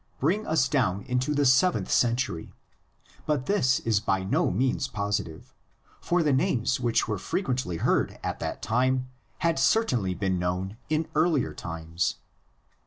bring us down into the seventh century; but this is by no means positive, for the names which were frequently heard at that time had certainly been known in earlier times.